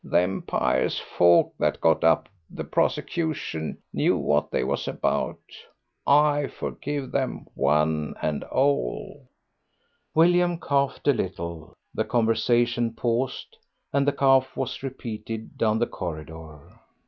Them pious folk that got up the prosecution knew what they was about. I forgive them one and all." William coughed a little. The conversation paused, and the cough was repeated down the corridor.